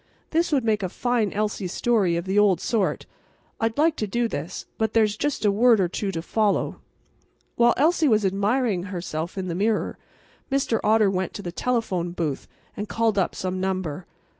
This would make a fine Elsie story of the old sort. I'd like to do this; but there's just a word or two to follow. While Elsie was admiring herself in the mirror, Mr. Otter went to the telephone booth and called up some number.